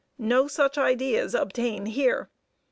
No such ideas obtain here.